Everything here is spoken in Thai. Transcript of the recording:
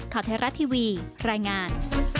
ขอเทศรัททีวีรายงาน